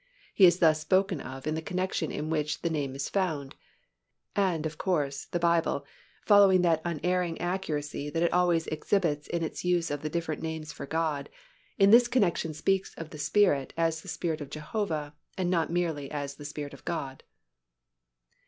He is thus spoken of in the connection in which the name is found; and, of course, the Bible, following that unerring accuracy that it always exhibits in its use of the different names for God, in this connection speaks of the Spirit as the Spirit of Jehovah and not merely as the Spirit of God.